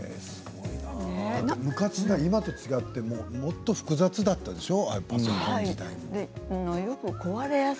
昔は今と違ってもっと複雑だったでしょう